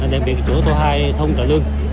đặc biệt chỗ tô hai thông trà lương